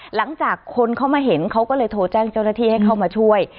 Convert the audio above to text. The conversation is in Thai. หลังจากคนเขามาเห็นเขาก็เลยโทรแจ้งเจ้าหน้าที่ให้เข้ามาช่วย